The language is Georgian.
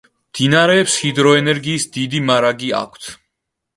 მდინარეებს ჰიდროენერგიის დიდი მარაგი აქვთ.